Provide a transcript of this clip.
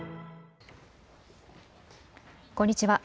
こんにちは。